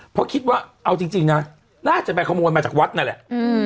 เพราะคิดว่าเอาจริงนะน่าจะไปขโมยมาจากวัดนั่นแหละ